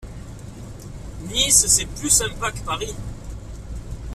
Nice c'est plus sympa que Paris.